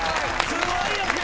すごいよ健！